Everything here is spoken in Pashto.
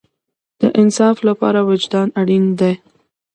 د انصاف لپاره وجدان اړین دی